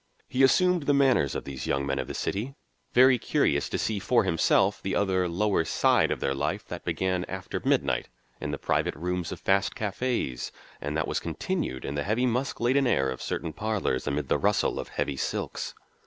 He assumed the manners of these young men of the city, very curious to see for himself the other lower side of their life that began after midnight in the private rooms of fast cafés and that was continued in the heavy musk laden air of certain parlours amid the rustle of heavy silks.